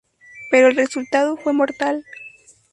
Pero el resultado fue mortal.